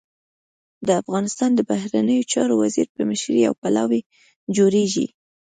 د افغانستان د بهرنیو چارو وزیر په مشرۍ يو پلاوی جوړېږي.